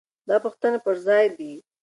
دا پوښتنې پر ځای دي.